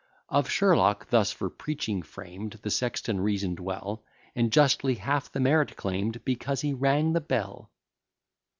Of Sherlock, thus, for preaching framed The sexton reason'd well; And justly half the merit claim'd, Because he rang the bell.